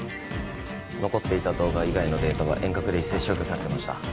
残っていた動画以外のデータは遠隔で一斉消去されてました